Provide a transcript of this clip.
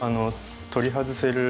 取り外せる。